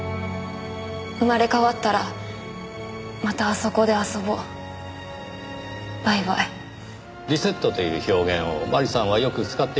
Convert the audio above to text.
「生まれ変わったらまたあそこで遊ぼう」「バイバイ」リセットという表現を麻里さんはよく使っていたようです。